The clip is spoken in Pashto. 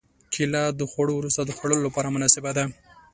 کېله د خوړو وروسته د خوړلو لپاره مناسبه ده.